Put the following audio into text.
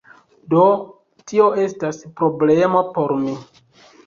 Do, tio estas problemo por mi